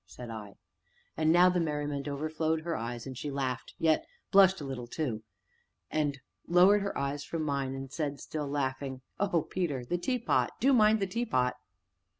said I. And now the merriment overflowed her eyes, and she laughed, yet blushed a little, too, and lowered her eyes from mine, and said, still laughing: "Oh, Peter the teapot do mind the teapot!"